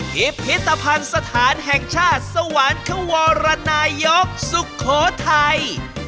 พิพิธภัณฑ์สถานแห่งชาติสวรรควรนายกสุโขทัย